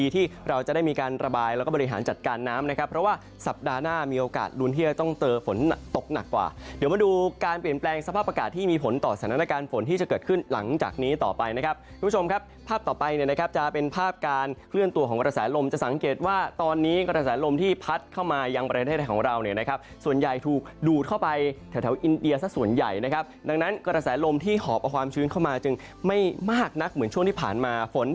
ที่จะเกิดขึ้นหลังจากนี้ต่อไปนะครับผู้ชมครับภาพต่อไปเนี่ยนะครับจะเป็นภาพการเคลื่อนตัวของกระแสลมจะสังเกตว่าตอนนี้กระแสลมที่พัดเข้ามายังประเทศไทยของเราเนี่ยนะครับส่วนใหญ่ถูกดูดเข้าไปแถวอินเดียสักส่วนใหญ่นะครับดังนั้นกระแสลมที่หอบเอาความชื้นเข้ามาจึงไม่มากนักเหมือนช่วงที่ผ่าน